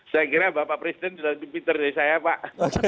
saya kira bapak presiden sudah lebih pintar dari saya pak